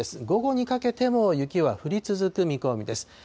午後にかけても雪は降り続く見込みです。